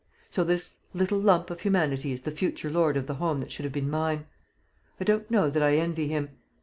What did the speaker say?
"So this little lump of humanity is the future lord of the home that should have been mine. I don't know that I envy him.